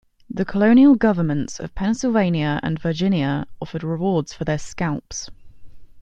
The colonial governments of Pennsylvania and Virginia offered rewards for their scalps.